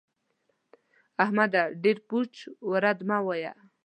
احمده! ډېر پوچ و رد مه وايه.